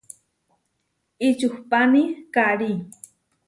Ičuhpáni karí.